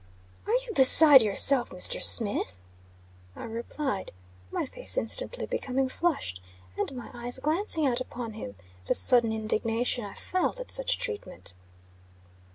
"Are you beside yourself, Mr. Smith?" I replied, my face instantly becoming flushed, and my eyes glancing out upon him the sudden indignation I felt at such treatment.